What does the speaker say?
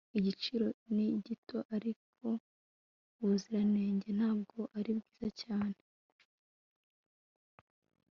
Igiciro ni gito ariko ubuziranenge ntabwo ari bwiza cyane